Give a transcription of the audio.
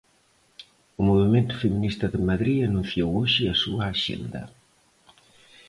O Movemento Feminista de Madrid anunciou hoxe a súa axenda...